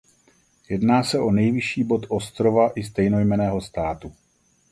Jedná se o nejvyšší bod ostrova i stejnojmenného státu.